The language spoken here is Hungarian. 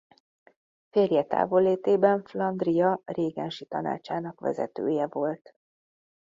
Férje távollétében Flandria régensi tanácsának vezetője volt.